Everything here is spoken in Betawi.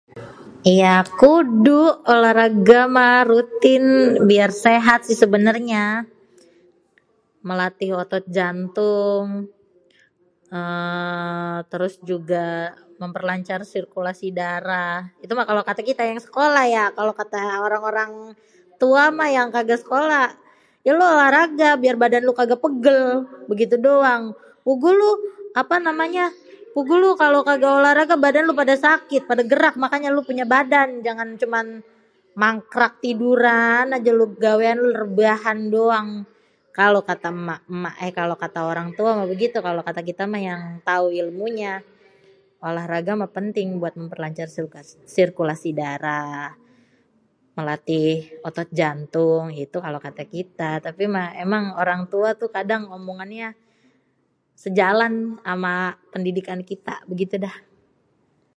ya kudu lah olahraga mah rutin biar sehat si sebenêrnya melatih otot jantung êê trus juga perlancar sirkulasi darah itumah kalo kata kita yang sekolah ya kalo kata orang-orang yang tua mah yang kaga sekolah, ya luh olahraga biar badan luh kaga pegel gitu doang puguh luh apanamnya kalo kaga olaharga badan lu pada sakit gerak makanya lu punya badan jangan cuman magkrak tiduran ajé lu gaweannya rebahan doang kalo kata éma-éma éh kalo kata orang tua mah begitu kalo kata kita mah yang tadi tau ilmunya olahraga mah penting buat memperlancar sirkulasi darah melatih otot jantung lah itu kalo kata kita kan emang orang tua tuh omongannya sejalan ama pendidikan kita ya gitu dah